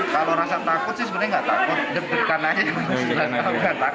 kalau rasa takut sih sebenarnya tidak takut deketkan aja